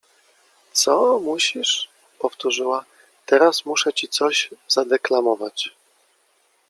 — Coo musisz? Powtórzyła: — Teraz muszę ci coś zadeklamować.